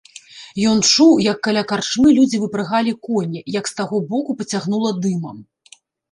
Ён чуў, як каля карчмы людзі выпрагалі коні, як з таго боку пацягнула дымам.